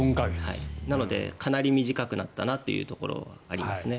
なので、かなり短くなったなというところがありますね。